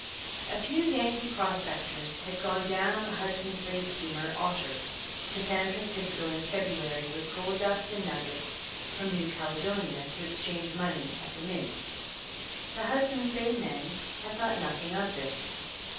A few Yankee prospectors had gone down on the Hudson's Bay steamer Otter to San Francisco in February with gold dust and nuggets from New Caledonia to exchange for money at the mint. The Hudson's Bay men had thought nothing of this.